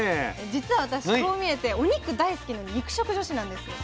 実は私こう見えてお肉大好きの肉食女子なんですよ。